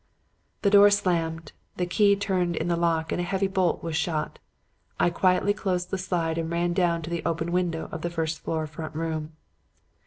"The door slammed, the key turned in the lock and a heavy bolt was shot. I quietly closed the slide and ran down to the open window of the first floor front room.